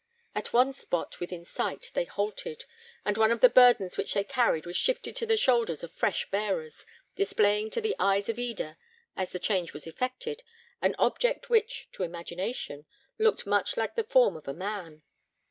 At one spot within sight they halted, and one of the burdens which they carried was shifted to the shoulders of fresh bearers, displaying to the eyes of Eda, as the change was effected, an object which, to imagination, looked much like the form of a man.